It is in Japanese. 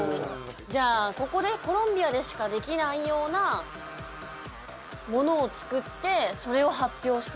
じゃあここでコロンビアでしか出来ないようなものを作ってそれを発表している。